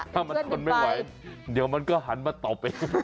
ถ้ามันทนไม่ไหวเดี๋ยวมันก็หันมาตอบเอง